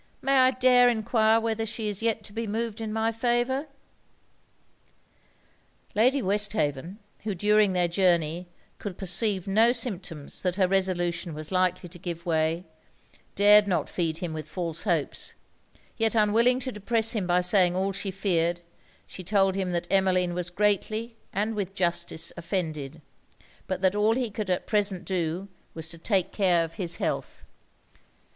May I dare enquire whether she is yet to be moved in my favour?' Lady Westhaven, who during their journey could perceive no symptoms that her resolution was likely to give way, dared not feed him with false hopes; yet unwilling to depress him by saying all she feared, she told him that Emmeline was greatly and with justice offended; but that all he could at present do, was to take care of his health.